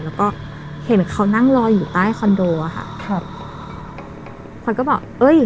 แล้วก็เห็นเขานั่งรออยู่ใต้คอนโดอ่ะค่ะครับขวัญก็บอกเอ้ย